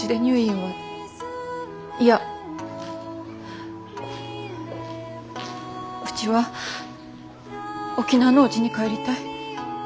うちは沖縄のおうちに帰りたい。